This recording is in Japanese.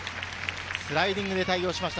スライディングで対応しました。